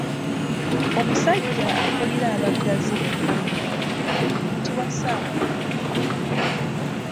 Omusajja akulira abaggazi bonna mu lubiri ayitibwa Ssaabakaaki.